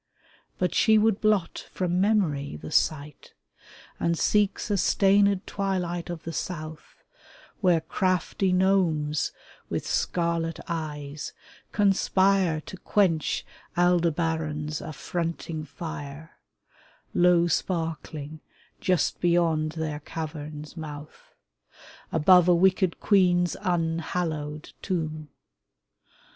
But she would blot from memory the sight, And seeks a stained twilight of the South, Where crafty gnomes with scarlet eyes conspire 12 A WINE OF WIZARDRY To quench Aldebaran's affronting fire, Low sparkling just beyond their cavern's mouth, Above a wicked queen's unhallowed tomb.